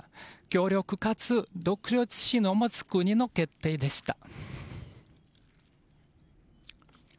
強力かつ独立心を持つ国の決定でした。